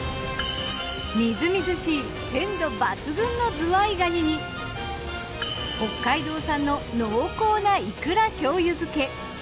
みずみずしい鮮度抜群のズワイガニに北海道産の濃厚ないくら醤油漬。